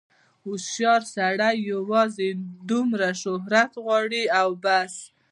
هوښیار سړی یوازې دومره شهرت غواړي او بس.